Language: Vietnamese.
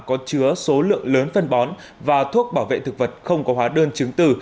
có chứa số lượng lớn phân bón và thuốc bảo vệ thực vật không có hóa đơn chứng từ